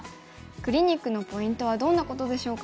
クリニックのポイントはどんなことでしょうか。